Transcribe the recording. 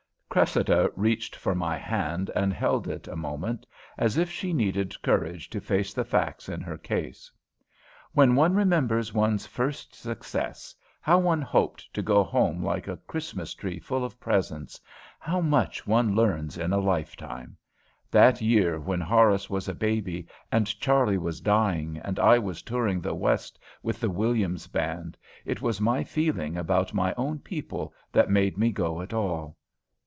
Cressida reached for my hand and held it a moment, as if she needed courage to face the facts in her case. "When one remembers one's first success; how one hoped to go home like a Christmas tree full of presents How much one learns in a life time! That year when Horace was a baby and Charley was dying, and I was touring the West with the Williams band, it was my feeling about my own people that made me go at all.